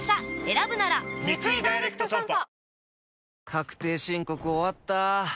確定申告終わった。